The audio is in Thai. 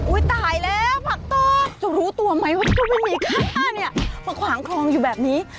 ุ้้ยตายแล้วภาคตบจะรู้ตัวไหมว่าโซเวนนิฆ่ามาควางครองอยู่แบบนี้